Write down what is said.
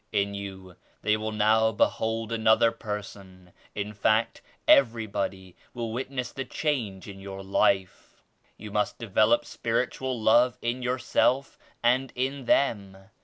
In you they will now be hold another person; in fact everybody will wit ness the change in your life. You must develop spiritual love in yourself and in them.